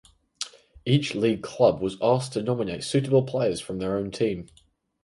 Each league club was asked to nominate suitable players from their own team.